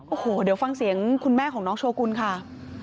โอ้โหเดี๋ยวฟังเสียงคุณแม่ของน้องโชกุลค่ะ